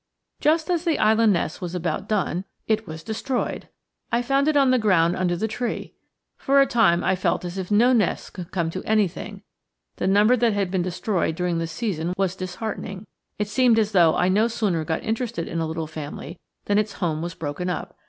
Just as the island nest was about done it was destroyed! I found it on the ground under the tree. For a time I felt as if no nests could come to anything; the number that had been destroyed during the season was disheartening. It seemed as though I no sooner got interested in a little family than its home was broken up.